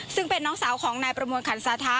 ซึ่งเป็นน้องสาวของนายประมวลขันสาธาะ